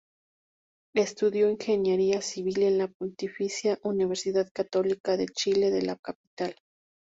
Estudió ingeniería civil en la Pontificia Universidad Católica de Chile de la capital.